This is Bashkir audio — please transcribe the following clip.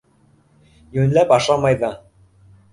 Йүнләп ашамай ҙа.